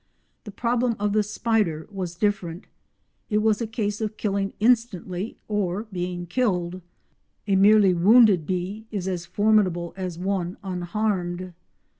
The problem of the spider was different. It was a case of killing instantly, or being killed; a merely wounded bee is as formidable as one unharmed.